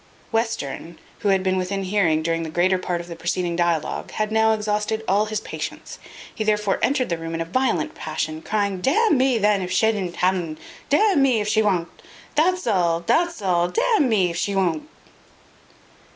Western, who had been within hearing during the greater part of the preceding dialogue, had now exhausted all his patience; he therefore entered the room in a violent passion, crying, "D n me then if shatunt ha'un, d n me if shatunt, that's all that's all; d n me if shatunt."